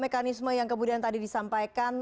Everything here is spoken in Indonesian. mekanisme yang kemudian tadi disampaikan